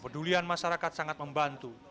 kepedulian masyarakat sangat membantu